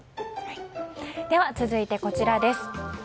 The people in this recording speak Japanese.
では続いて、こちらです。